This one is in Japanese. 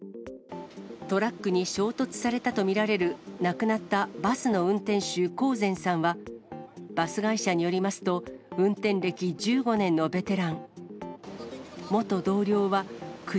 トラックに衝突されたと見られる、亡くなったバスの運転手、興膳さんは、バス会社によりますと、運転歴１５年のベテラン。